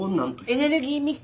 エネルギーミックス。